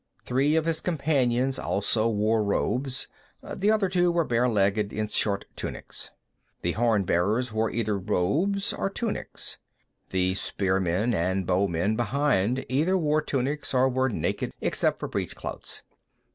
Three of his companions also wore robes; the other two were bare legged in short tunics. The horn bearers wore either robes or tunics; the spearmen and bowmen behind either wore tunics or were naked except for breechclouts.